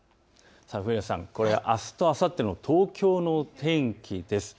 上原さん、あすとあさっての東京の天気です。